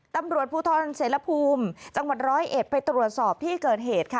ตำรวจภูทรเสรภูมิจังหวัดร้อยเอ็ดไปตรวจสอบที่เกิดเหตุค่ะ